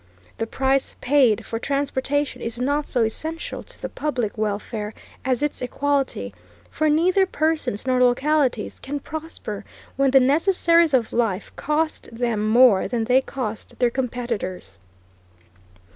The price paid for transportation is not so essential to the public welfare as its equality; for neither persons nor localities can prosper when the necessaries of life cost them more than they cost their competitors.